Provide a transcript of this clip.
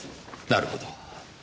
なるほど。